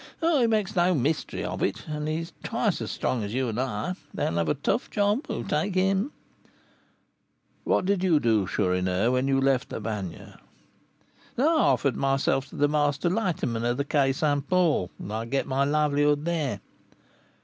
Oh! he makes no mystery of it; and as he is twice as strong as you and I, they will have a tough job who take him." "What did you do, Chourineur, when you left the Bagne?" "I offered myself to the master lighterman of the Quai St. Paul, and I get my livelihood there."